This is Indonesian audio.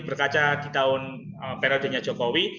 berkaca di tahun periodenya jokowi